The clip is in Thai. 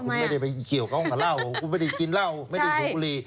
คุณไม่ได้ไปเกี่ยวข้องกับเหล้าคุณไม่ได้กินเหล้าไม่ได้สูบบุหรี่